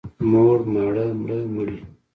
موړ، ماړه، مړه، مړې.